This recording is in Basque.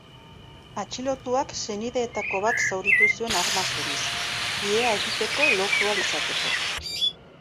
Atxilotuak senideetako bat zauritu zuen arma zuriz, ihea egitea lortu ahal izateko.